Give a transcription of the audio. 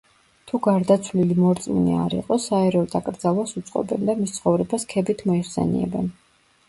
თუ გარდაცვლილი მორწმუნე არ იყო, საერო დაკრძალვას უწყობენ და მის ცხოვრებას ქებით მოიხსენიებენ.